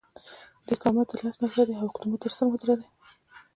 دیکا متر لس متره دی او هکتو متر سل متره دی.